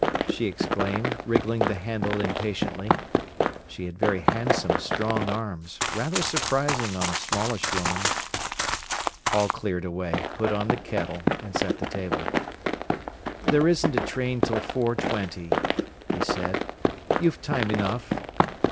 she exclaimed, wriggling the handle impatiently. She had very handsome, strong arms, rather surprising on a smallish woman. Paul cleared away, put on the kettle, and set the table. "There isn't a train till four twenty," he said. "You've time enough."